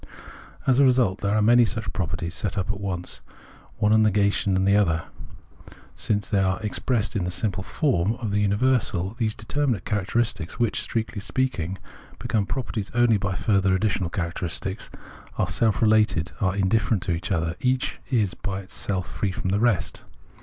As a result, there are many such properties set up at once, one the negation of the other. Since they are expressed in the simple form of the universal, these determinate characters — which, strictly speaking, become properties only by a further additional charac teristic — are self related, are indifferent to each other, each is by itself, free from the rest.